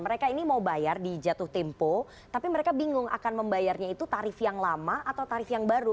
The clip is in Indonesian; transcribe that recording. mereka ini mau bayar di jatuh tempo tapi mereka bingung akan membayarnya itu tarif yang lama atau tarif yang baru